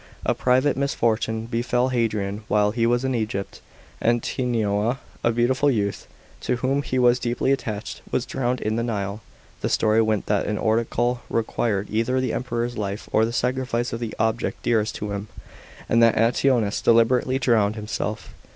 A private misfortune befell Hadrian while he was in Egypt. Antinoua, a beautiful youth, to whom he was deeply attached, was drowned in the Nile. The story went that an oracle required either the Emperor's life or the sacrifice of the object dearest to him, and that Antinous deliberately drowned himself.